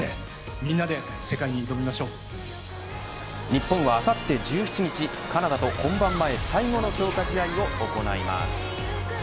日本はあさって１７日カナダと本番前最後の強化試合を行います。